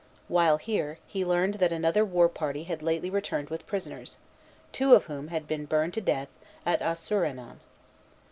While here, he learned that another war party had lately returned with prisoners, two of whom had been burned to death at Osseruenon.